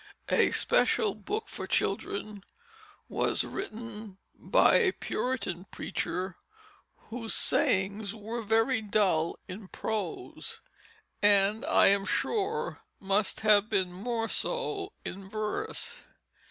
A special book for children was written by a Puritan preacher whose sayings were very dull in prose, and I am sure must have been more so in verse.